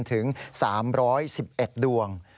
ถึง๓๑๑ดวง